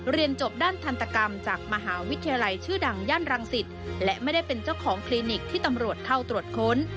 เรียนจบด้านทันตกรรมจากมหาวิทยาลัยชื่อดังย่านรังสิตและไม่ได้เป็นเจ้าของคลินิกที่ตำรวจเข้าตรวจค้น